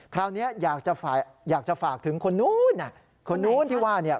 คราวนี้อยากจะฝากถึงคนนู้นคนนู้นที่ว่าเนี่ย